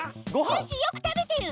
シュッシュよくたべてる。